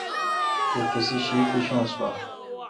تے تسے°شی پیچونس پا۔